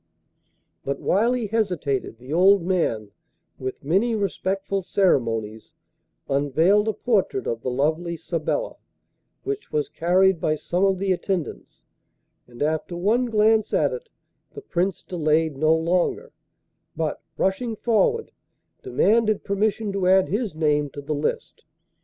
But while he hesitated the old man, with many respectful ceremonies, unveiled a portrait of the lovely Sabella, which was carried by some of the attendants, and after one glance at it the Prince delayed no longer, but, rushing forward, demanded permission to add his name to the list.